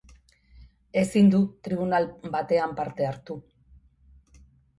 Ezin du tribunal batean parte hartu.